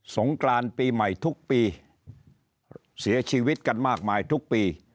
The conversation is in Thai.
งกรานปีใหม่ทุกปีเสียชีวิตกันมากมายทุกปี